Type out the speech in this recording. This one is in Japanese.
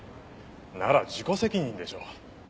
なら自己責任でしょう。